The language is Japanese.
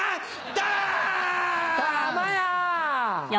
たまや！